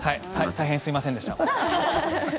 大変すいませんでした。